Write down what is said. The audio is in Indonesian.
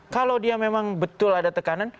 kalau dia memang betul ada tekanan